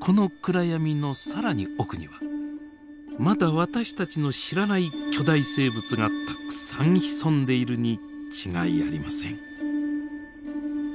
この暗闇の更に奥にはまだ私たちの知らない巨大生物がたくさん潜んでいるに違いありません。